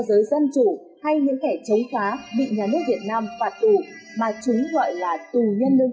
giới dân chủ hay những kẻ chống phá bị nhà nước việt nam phạt tù mà chúng gọi là tù nhân lương